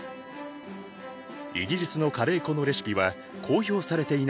イギリスのカレー粉のレシピは公表されていなかった。